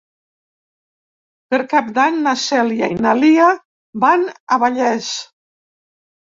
Per Cap d'Any na Cèlia i na Lia van a Vallés.